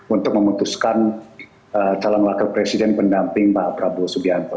untuk memutuskan calon wakil presiden pendamping pak prabowo subianto